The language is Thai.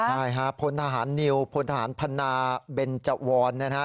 ใช่ครับพลฐานนิวพลฐานพนาเบนเจาอร์นนะครับ